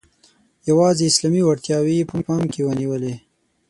یوازي اسلامي وړتیاوې یې په پام کې ونیولې.